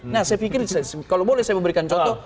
nah saya pikir kalau boleh saya memberikan contoh